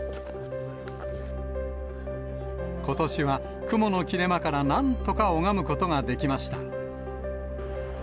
ことしは雲の切れ間からなんとか拝むことができました。